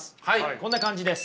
こんな感じです。